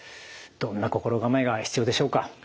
どんな心構えが必要でしょうか？